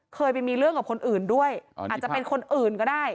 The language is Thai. เคยไปมีเรื่องกับคนอื่นด้วยอาจจะเป็นคนอื่นก็ได้